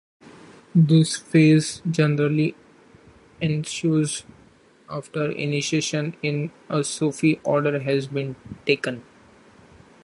This phase generally ensues after initiation in a Sufi order has been taken.